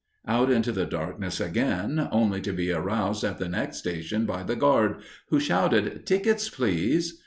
Out into the darkness again, only to be aroused at the next station by the guard, who shouted, "Tickets, please!"